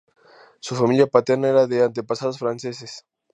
Su familia paterna era de antepasados franceses.